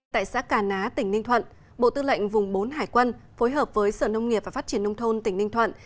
tại xã cà ná tỉnh ninh thuận bộ tư lệnh vùng bốn hải quân phối hợp với sở nông nghiệp và phát triển nông thôn tỉnh ninh thuận